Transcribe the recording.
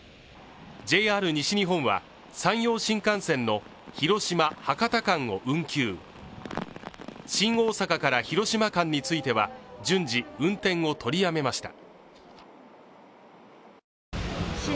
ＪＲ西日本は山陽新幹線の広島−博多間を運休、新大阪から広島間については順次、運転をとりやめました。